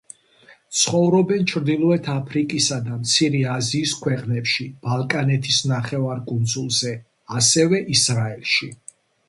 ცხოვრობენ ჩრდილოეთ აფრიკისა და მცირე აზიის ქვეყნებში, ბალკანეთის ნახევარკუნძულზე, ასევე ისრაელში.